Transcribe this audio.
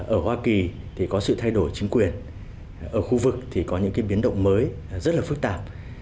ở hoa kỳ thì có sự thay đổi chính quyền ở khu vực thì có những biến động mới rất là phức tạp